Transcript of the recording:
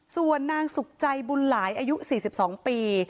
ส่วนนางสุขใจบุญหลายอายุ๔๒ปี